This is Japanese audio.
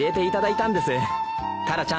タラちゃん